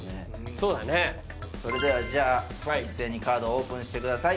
そうだねそれではじゃあ一斉にカードをオープンしてください